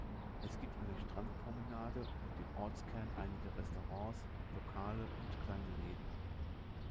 Es gibt eine Strandpromenade und im Ortskern einige Restaurants, Lokale und kleine Läden.